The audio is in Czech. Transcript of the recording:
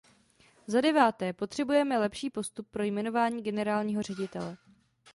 Zadeváté, potřebujeme lepší postup pro jmenování generálního ředitele.